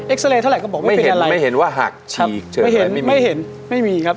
เอ็กซ์เรย์เท่าไหร่ก็บอกไม่เป็นอะไรไม่เห็นว่าหักฉีกเฉินอะไรไม่มีครับ